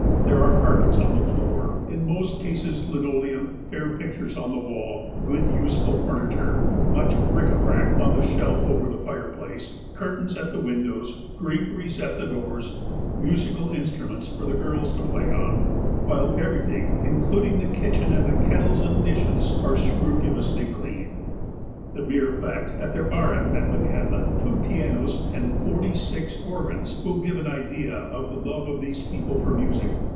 There are carpets on the floor, in most cases lino leum, fair pictures on the wall, good, useful furniture, much bric a brac on the shelf over the fireplace, curtains at tlie wiudows, draperies at the doors, musical instru ments for the girls to X)lay on, while everything, including the kitchen, and the kettles and dishes, are scrupulously clean. The mere fact, that there are at Metlakahtla two pianos and forty six organs will give an idea of the love of these people for music.